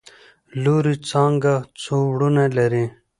لورې څانګه څو وروڼه لري؟؟